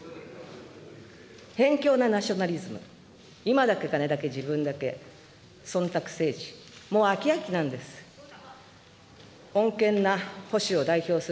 偏狭なナショナリズム、今だけ、金だけ、自分だけ、そんたく政治、もう飽き飽きなんです。